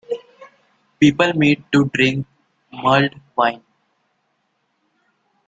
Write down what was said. People meet to drink mulled wine.